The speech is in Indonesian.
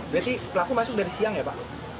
berarti pelaku masuk dari siang ya pak